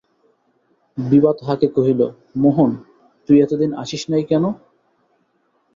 বিভা তাহাকে কহিল, মোহন, তুই এতদিন আসিস নাই কেন?